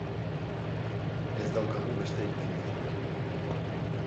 Ez daukagu beste irtenbiderik.